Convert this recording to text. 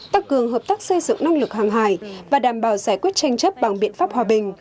tăng cường hợp tác xây dựng năng lực hàng hải và đảm bảo giải quyết tranh chấp bằng biện pháp hòa bình